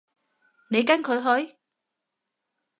你跟佢去？